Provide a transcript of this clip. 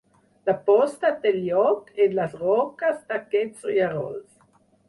La posta té lloc en les roques d'aquests rierols.